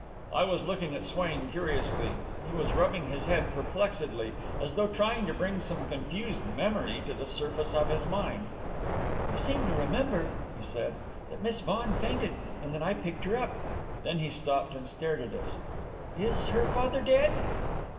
I was looking at Swain curiously. He was rubbing his head perplexedly, as though trying to bring some confused memory to the surface of his mind. "I seem to remember," he said, "that Miss Vaughan fainted, and that I picked her up." Then he stopped and stared at us. "Is her father dead?"